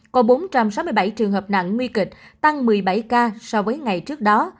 có bốn trăm sáu mươi bảy trường hợp nặng nguy kịch tăng một mươi bảy ca so với ngày trước đó